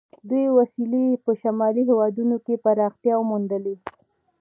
دې وسیلې په شمالي هېوادونو کې پراختیا موندلې.